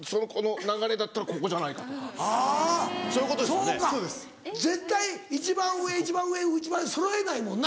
そうか絶対一番上一番上でそろえないもんな。